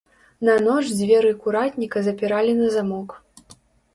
На ноч дзверы куратніка запіралі на замок.